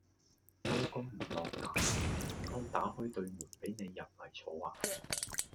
收工唔落閘，唔通打開對門俾你入嚟坐呀